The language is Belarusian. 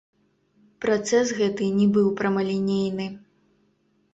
Працэс гэты не быў прамалінейны.